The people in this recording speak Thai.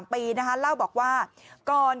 ไม่รู้อะไรกับใคร